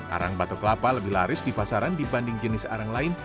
arang batok kelapa lebih laris di pasaran dibanding jenis arang lain